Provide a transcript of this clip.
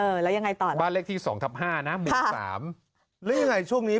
แล้วยังไงต่อนะบ้านเลขที่สองทับห้านะหมู่สามหรือยังไงช่วงนี้